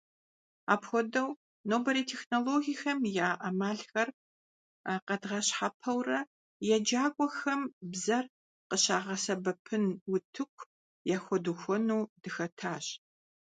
Апхуэдэу, нобэрей технологиехэм и Ӏэмалхэр къэдгъэщхьэпэурэ еджакӀуэхэм бзэр къыщагъэсэбэпын утыку яхуэдухуэну дыхэтащ.